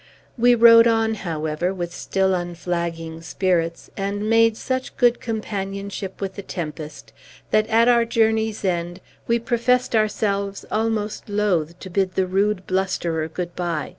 We rode on, however, with still unflagging spirits, and made such good companionship with the tempest that, at our journey's end, we professed ourselves almost loath to bid the rude blusterer good by.